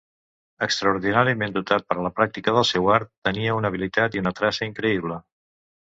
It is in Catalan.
Extraordinàriament dotat per la pràctica del seu art, tenia una habilitat i una traça increïble.